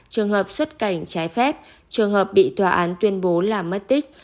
trường hợp xuất cảnh trái phép trường hợp bị tòa án tuyên bố là mất tích